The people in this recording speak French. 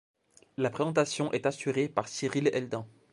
La présentation est assurée par Cyrille Eldin.